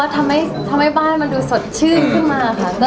ทำให้บ้านมันดูสดชื่นขึ้นมาค่ะ